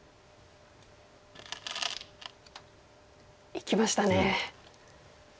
いきましたね。